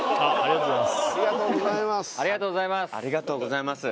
ありがとうございます